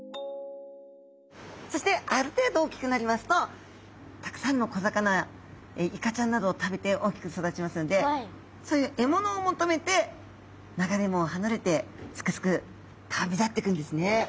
そしてある程度大きくなりますとたくさんの小魚イカちゃんなどを食べて大きく育ちますのでそういう獲物を求めて流れ藻を離れてすくすく旅立っていくんですね。